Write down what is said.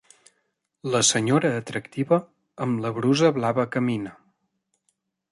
La senyora atractiva amb la brusa blava camina.